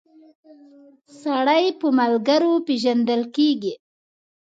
سړی په ملګرو پيژندل کیږی